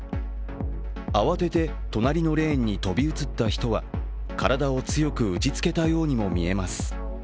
慌てて隣のレーンに飛び移った人は体を強く打ちつけたようにも見えます。